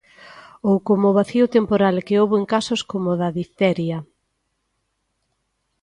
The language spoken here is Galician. Ou como o vacío temporal que houbo en casos como a da difteria.